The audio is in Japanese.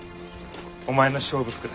お前の勝負服だ。